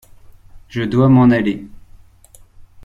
Je dois m’en aller.